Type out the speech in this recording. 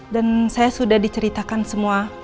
dan saya sudah diceritakan semua